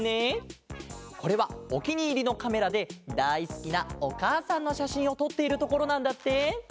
これはおきにいりのカメラでだいすきなおかあさんのしゃしんをとっているところなんだって！